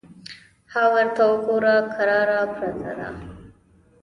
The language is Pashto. _ها ورته وګوره! کراره پرته ده.